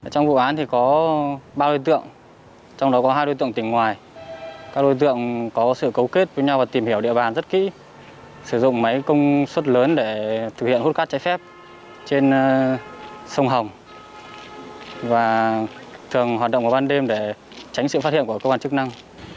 trong vụ án thì có ba đối tượng trong đó có hai đối tượng tỉnh ngoài các đối tượng có sự cấu kết với nhau và tìm hiểu địa bàn rất kỹ sử dụng máy công suất lớn để thực hiện hút cát trái phép trên sông hồng và thường hoạt động vào ban đêm để tránh sự phát hiện của cơ quan chức năng